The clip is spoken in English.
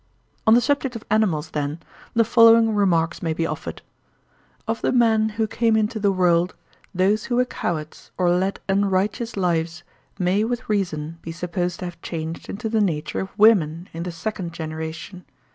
On the subject of animals, then, the following remarks may be offered. Of the men who came into the world, those who were cowards or led unrighteous lives may with reason be supposed to have changed into the nature of women in the second generation.